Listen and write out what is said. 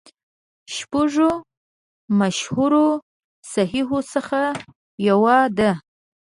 شپږو مشهورو صحیحو څخه یوه ده.